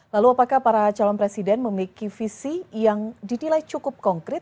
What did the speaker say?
lalu apakah para calon presiden memiliki visi yang dinilai cukup konkret